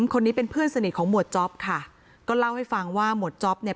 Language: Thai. คนนี้เป็นเพื่อนสนิทของหมวดจ๊อปค่ะก็เล่าให้ฟังว่าหมวดจ๊อปเนี่ย